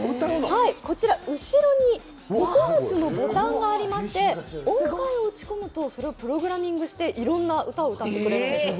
こちら、後ろに９つのボタンがありまして、音階を打ち込むとそれをプログラミングしていろんな歌を歌ってくれるんです。